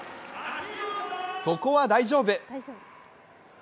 そこは大丈夫！